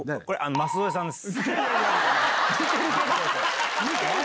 舛添さんです。